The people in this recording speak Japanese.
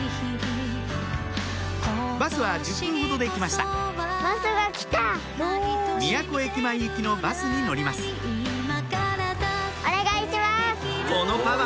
バスは１０分ほどで来ました宮古駅前行きのバスに乗りますこのパワー！